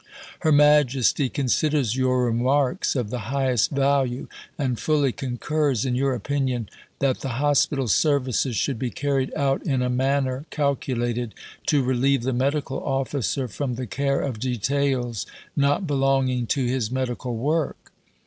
Her Majesty considers your remarks of the highest value, and fully concurs in your opinion that the Hospital Services should be carried out in a manner calculated to relieve the Medical officer from the care of details not belonging to his Medical work.